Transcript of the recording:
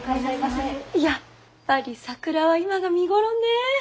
やっぱり桜は今が見頃ね。